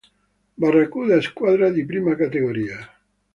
Barracuda, squadra di Prima Categoria.